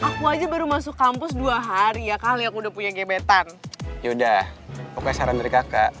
aku aja baru masuk kampus dua hari ya kali aku udah punya gebetan yaudah pokoknya saran dari kakak